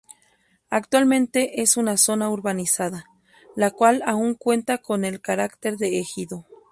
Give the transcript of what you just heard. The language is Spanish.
Actualmente es una zona urbanizada, la cual aun cuenta con el caracter de Ejido.